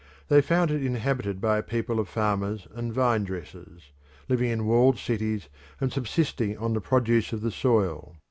They found it inhabited by a people of farmers and vine dressers, living in walled cities and subsisting on the produce of the soil.